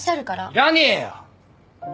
いらねえよ。